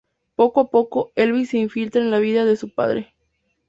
Poco a poco, Elvis se infiltra en la vida de su padre.